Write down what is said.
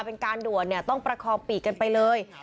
เป็นการด่วนต้องประคองปีกกันไปเลย